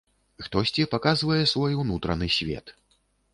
Хтосьці паказвае свой унутраны свет.